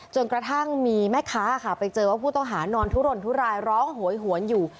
จนกระทั่งมีแม่ค้าค่ะไปเจอว่าผู้ต้องหานอนทุรนทุรายร้องโหยหวนอยู่